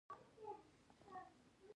آیا د افغانستان نفوس دقیق معلوم دی؟